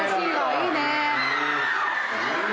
いいね！」